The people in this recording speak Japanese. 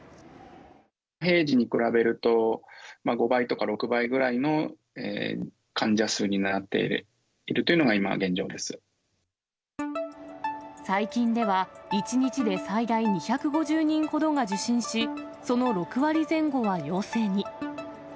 平時に比べると、５倍とか６倍くらいの患者数になっているというのが、今の現状で最近では、１日で最大２５０人ほどが受診し、その６割前後は陽性に。